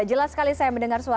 silahkan pak yuda